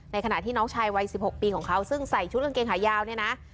ขณะที่น้องชายวัย๑๖ปีของเขาซึ่งใส่ชุดกางเกงขายาวเนี่ยนะ